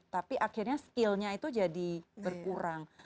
tapi akhirnya skillnya itu jadi berkurang